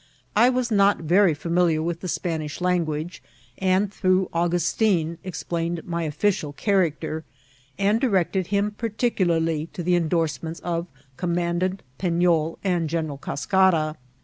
I was not very familiar with the Spanish language, and, through Augustin, explained my official character, and directed him particularly to the endorsements of Com mandant Pefiol and General Cascara.